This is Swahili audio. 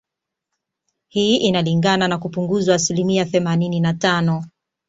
Hii inalingana na kupunguzwa asilimia themanini na tano